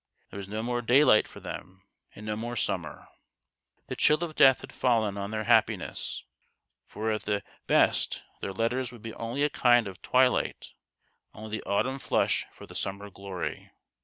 There was no more daylight for them, and no more summer. The chill of death had fallen on their happiness ; for at the best their letters would be only a kind of twilight only the autumn flush for the summer glory.